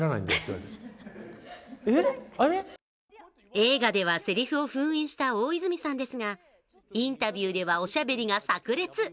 映画ではせりふを封印した大泉さんですが、インタビューではおしゃべりがさく裂。